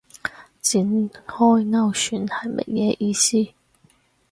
展開勾選係乜嘢意思